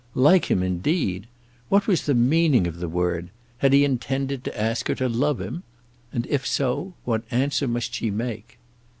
Like him, indeed! What was the meaning of the word? Had he intended to ask her to love him? And if so, what answer must she make?